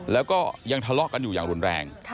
แล้วก็ยังทะเลาะกันอยู่อย่างรุนแรง